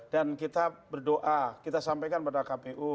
dan kita berdoa kita sampaikan kepada kpu